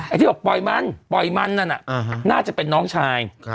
ที่บอกปล่อยมันปล่อยมันนั่นน่าจะเป็นน้องชาย